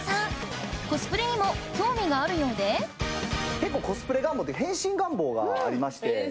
結構コスプレ願望変身願望がありまして。